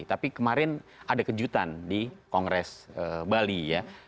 tapi kemarin ada kejutan di kongres bali ya